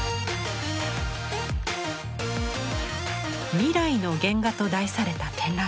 「未来の原画」と題された展覧会。